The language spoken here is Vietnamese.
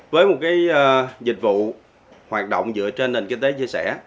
với một dịch vụ hoạt động dựa trên nền kinh tế chia sẻ